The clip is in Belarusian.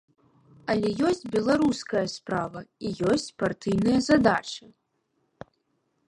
Але ёсць беларуская справа, і ёсць партыйныя задачы.